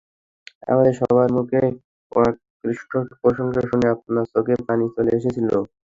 আমাদের সবার মুখে অকুণ্ঠ প্রশংসা শুনে আপার চোখে পানি চলে এসেছিল।